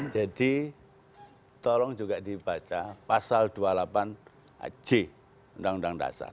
jadi tolong juga dibaca pasal dua puluh delapan j undang undang dasar